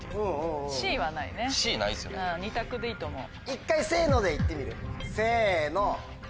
一回「せの」で言ってみる？せの！